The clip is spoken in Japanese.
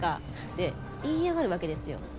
で言いやがるわけですよ。